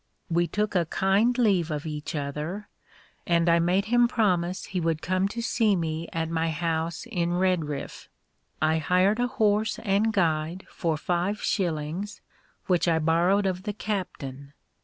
We took a kind leave of each other, and I made him promise he would come to see me at my house in Redriff. I hired a horse and guide for five shillings, which I borrowed of the captain.